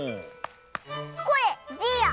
これじいや。